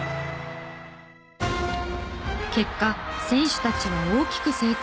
結果選手たちは大きく成長。